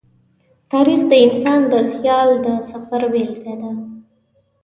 تاریخ د انسان د خیال د سفر بېلګه ده.